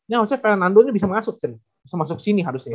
yang harusnya fernando ini bisa masuk chen bisa masuk sini harusnya